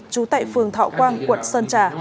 chú tại phường thọ quang quận sơn trà